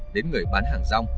đến người bán hàng rong